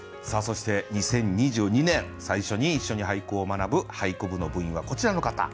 そして２０２２年最初に一緒に俳句を学ぶ俳句部の部員はこちらの方。